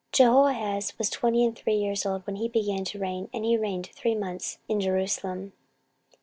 14:036:002 Jehoahaz was twenty and three years old when he began to reign, and he reigned three months in Jerusalem.